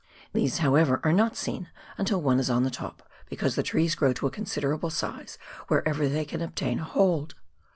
These, however, are not seen until one is on the top, because the trees grow to a considerable size wherever they can obtain a hold.